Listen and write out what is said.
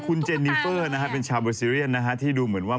คุณเจนิเฟอร์นะครับเป็นชาวโบสีรียันนะครับที่ดูเหมือนว่า